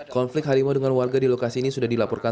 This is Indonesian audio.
konflik harimau dengan warga di lokasi ini sudah dilaporkan